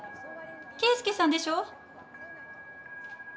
圭介さんでしょ？